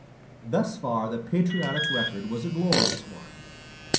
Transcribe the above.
Thus far, the patriotic record was a glorious one.